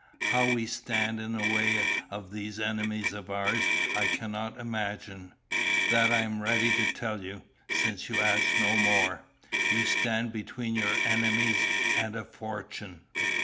How we stand in the way of these enemies of ours I cannot imagine." "That I am ready to tell you, since you ask no more. You stand between your enemies and a fortune."